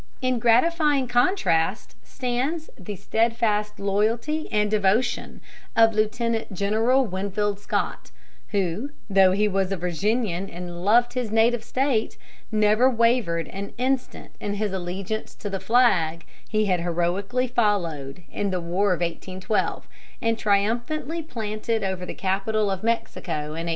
In gratifying contrast stands the steadfast loyalty and devotion of Lieutenant General Winfield Scott, who, though he was a Virginian and loved his native State, never wavered an instant in his allegiance to the flag he had heroically followed in the War of 1812, and triumphantly planted over the capital of Mexico in 1847.